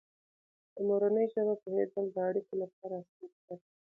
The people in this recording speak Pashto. په مورنۍ ژبه پوهېدل د اړیکو لپاره اسانتیا ده.